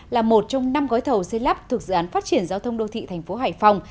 là một trong năm gói thầu xây lắp thuộc dự án phát triển giao thông đô thị thành phố hải phòng